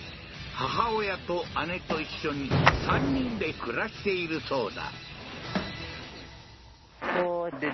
母親と姉と一緒に３人で暮らしているそうだ